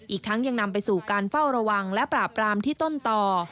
อีกทั้งยังนำไปสู่การเฝ้าระวังและปราบปรามที่ต้นต่อ